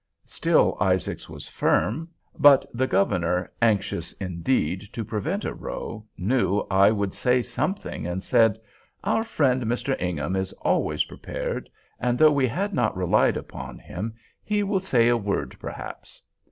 Still Isaacs was firm; but the Governor, anxious, indeed, to prevent a row, knew I would say something, and said, "Our friend Mr. Ingham is always prepared—and though we had not relied upon him, he will say a word, perhaps."